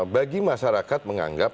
bagi masyarakat menganggap